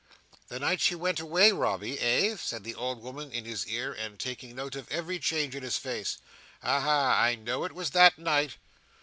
"The night she went away, Robby, eh?" said the old woman in his ear, and taking note of every change in his face. "Aha! I know it was that night."